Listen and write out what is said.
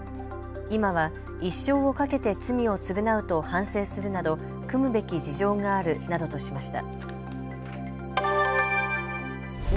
今は一生をかけて罪を償うと反省するなど酌むべき事情があるなどとしました。